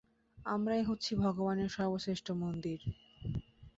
আমরাই হচ্ছি ভগবানের সর্বশ্রেষ্ঠ মন্দির।